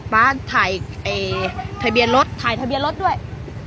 มาถ่ายเอ่ยถ่ายเบี้ยรถถ่ายเถอะ